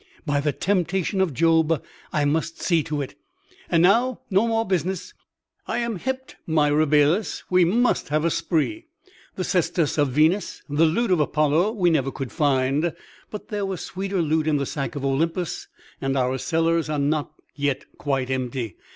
"By the temptation of Job! I must see to it. And now no more business. I am hipped, my Rabelais; we must have a spree. The cestus of Venus, the lute of Apollo, we never could find; but there was sweeter loot in the sack of Olympus, and our cellars are not yet quite empty.